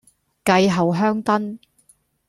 繼後香燈